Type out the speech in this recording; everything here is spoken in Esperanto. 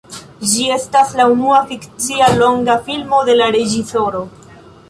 Ĝi estas la unua fikcia longa filmo de la reĝisoro.